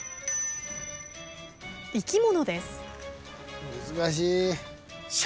生き物です。